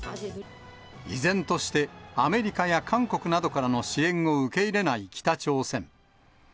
依然として、アメリカや韓国などからの支援を受け入れない北朝鮮。